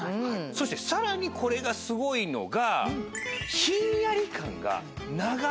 そしてさらにこれがすごいのが。